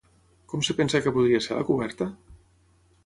Com es pensa que podria ser la coberta?